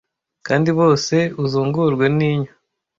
kandi bose uzungurwe n'inyo